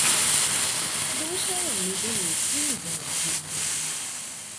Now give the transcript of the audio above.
ލޫޝާއަށް ނިދުނީ ތިން ޖެހިފަހުން